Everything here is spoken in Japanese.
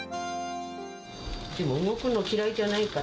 でも動くの嫌いじゃないから。